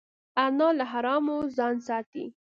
انا له حرامو ځان ساتي